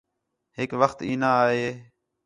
ہِک وخت ایناں آ ہے